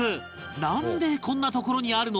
なんでこんな所にあるの？